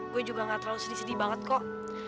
gue juga gak terlalu sedih sedih banget kok